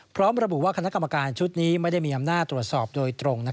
พร้อมระบุว่าคณะกรรมการชุดนี้ไม่ได้มีอำนาจตรวจสอบโดยตรง